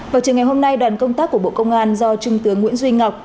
vào chiều ngày hôm nay đoàn công tác của bộ công an do trung tướng nguyễn duy ngọc